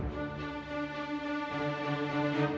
tidak saya mau pergi dulu